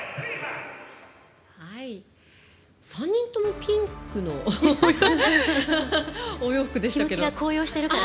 ３人ともピンクのお洋服でしたけど。